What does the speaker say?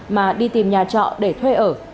mà đi tìm nhà trọ để thuê ở